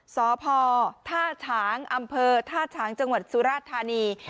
สพท่าฉางอำเภอท่าฉางจังหวัดสุราชธานี